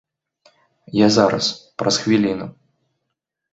Я зараз, праз хвіліну.